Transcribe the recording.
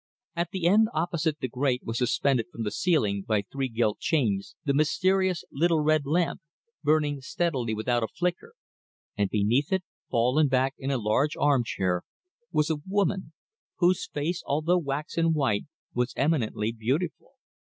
At the end opposite the grate was suspended from the ceiling by three gilt chains the mysterious little red lamp, burning steadily without a flicker, and beneath it, fallen back in a large armchair, was a woman, whose face, although waxen white, was eminently beautiful.